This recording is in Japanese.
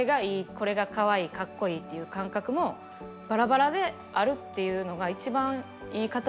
これがかわいいかっこいいっていう感覚もバラバラであるっていうのが一番いい形なのかなと私は思います